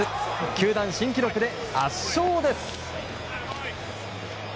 球団新記録で圧勝です。